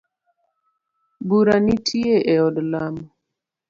Bura nitie e od lamo.